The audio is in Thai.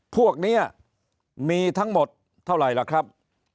พวกนี้มีทั้งหมดเท่าไหร่ล่ะครับ